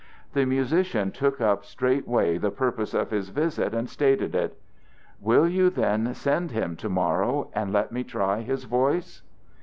The musician took up straightway the purpose of his visit and stated it. "Will you, then, send him to morrow and let me try his voice?"